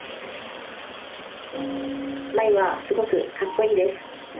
茉愛はすごくかっこいいです。